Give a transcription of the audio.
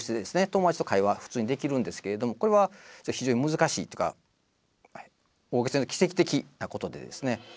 友達と会話普通にできるんですけれどもこれは非常に難しいというか大げさに言うと奇跡的なことでですね。